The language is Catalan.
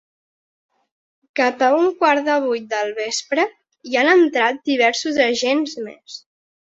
Cap a un quart de vuit del vespre hi han entrat diversos agents més.